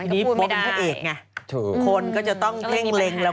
ทีนี้บอกเป็นว่าเพศเอกไง